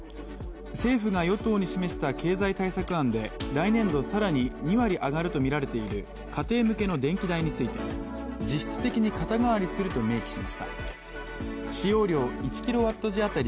政府が与党に示した経済対策案で来年度更に２割上がるとみられている家庭向けの電気代について実質的に肩代わりすると明記しました。